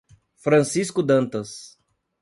Francisco Dantas